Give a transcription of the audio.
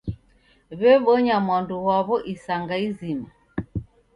W'ebonya mwandu ghwa'wo isanga izima.